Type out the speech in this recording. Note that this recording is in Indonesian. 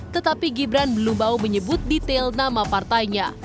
tetapi gibran belum mau menyebut detail nama partainya